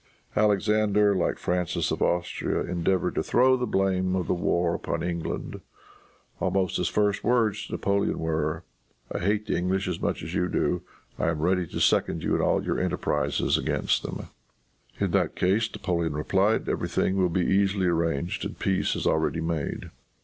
Alexander, like Francis of Austria, endeavored to throw the blame of the war upon England. Almost his first words to Napoleon were, "I hate the English as much as you do. I am ready to second you in all your enterprises against them." "In that case," Napoleon replied, "every thing will be easily arranged and peace is already made."